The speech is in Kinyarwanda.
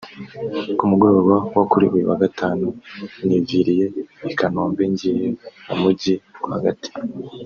Ku mugoroba wo kuri uyu wa Gatatu niviriye i Kanombe ngiye mu mujyi rwagati